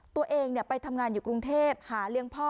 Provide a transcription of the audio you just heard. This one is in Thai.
ตัวเองไปทำงานอยู่กรุงเทพฯหาเลี้ยงพ่อ